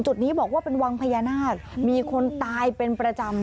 จุดนี้บอกว่าเป็นวังพญานาคมีคนตายเป็นประจำ